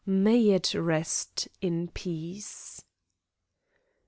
May it rest in peace!